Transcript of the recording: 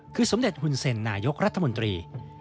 คือสมเด็จหุ่นเซ็นนายกรัฐมนตรี